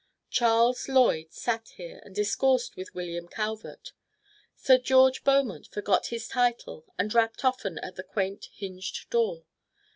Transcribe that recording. Charles Lloyd sat here and discoursed with William Calvert. Sir George Beaumont forgot his title and rapped often at the quaint, hinged door.